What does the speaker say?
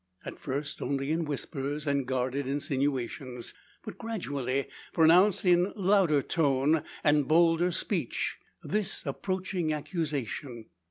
At first only in whispers, and guarded insinuations; but gradually pronounced in louder tone, and bolder speech this approaching accusation.